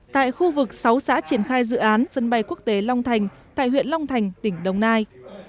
tại khu vực sáu xã triển khai dự án sân bay quốc tế long thành tại huyện long thành tỉnh đồng nai